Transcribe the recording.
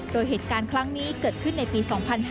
โดยเหตุการณ์ครั้งนี้เกิดขึ้นในปี๒๕๕๙